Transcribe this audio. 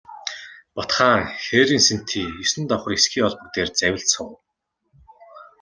Бат хаан хээрийн сэнтий есөн давхар эсгий олбог дээр завилж суув.